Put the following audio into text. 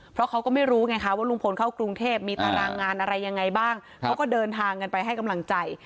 เพราะเขาก็ไม่รู้ไงคะว่าลุงพลเข้ากรุงเทพมีตารางงานอะไรยังไงบ้างเขาก็เดินทางกันไปให้กำลังใจ